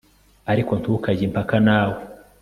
ariko ntukajye impaka na we